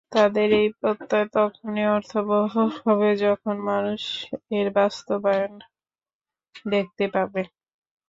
তাঁদের এই প্রত্যয় তখনই অর্থবহ হবে যখন মানুষ এর বাস্তবায়ন দেখতে পাবে।